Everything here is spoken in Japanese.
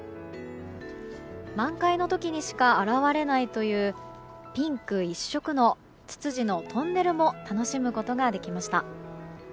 満開の時にしか現れないというピンク一色のツツジのトンネルも楽しむことができました。